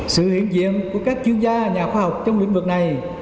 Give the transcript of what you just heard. sự hiện diện của các chuyên gia nhà khoa học trong lĩnh vực này